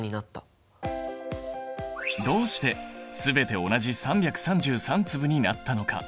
どうして全て同じ３３３粒になったのか？